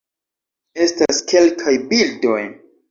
Estas kelkaj bildoj